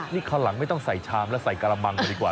นี่คราวหลังไม่ต้องใส่ชามแล้วใส่กระมังก่อนดีกว่า